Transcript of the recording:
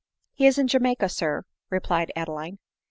" He is in Jamaica, sir," replied Adeline.